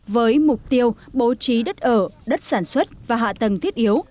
với mục tiêu bố trí đất ở đất sản xuất và hạ tầng thiết yếu